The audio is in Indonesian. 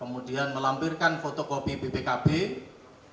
kemudian melampirkan fotokopi bpkb kemudian stnk kemudian pajak aktif kendaraan tersebut